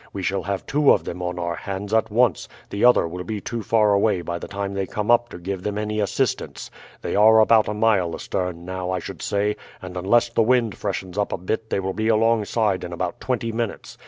We shall have two of them on our hands at once; the other will be too far away by the time they come up to give them any assistance. They are about a mile astern now, I should say, and unless the wind freshens up a bit they will be alongside in about twenty minutes.